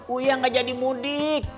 uya gak jadi mudik